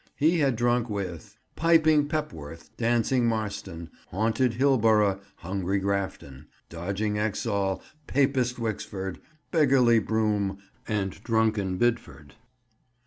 He had drunk with— "Piping Pebworth, Dancing Marston, Haunted Hillborough, Hungry Grafton, Dodging Exhall, Papist Wixford, Beggarly Broom, and Drunken Bidford."